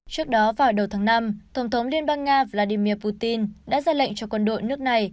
trước đó vào đầu tháng năm tổng thống liên bang nga vladimir putin đã ra lệnh cho quân đội nước này